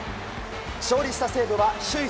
勝利した西武は首位